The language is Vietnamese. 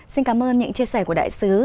xin cảm ơn những chia sẻ của đại sứ